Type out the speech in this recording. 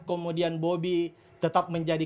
kemudian bobi tetap menjadi